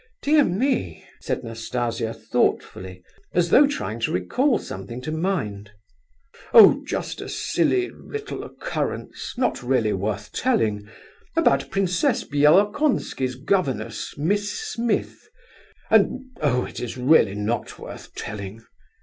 Dear me," said Nastasia, thoughtfully, as though trying to recall something to mind. "Oh, just a silly, little occurrence, really not worth telling, about Princess Bielokonski's governess, Miss Smith, and—oh, it is really not worth telling!"